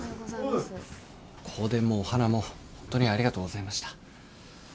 香典もお花もホントにありがとうございました。